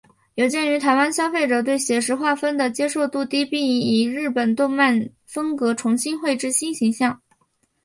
有鉴于台湾消费者对写实画风的接受度低并以日本动漫风格重新绘制新形象。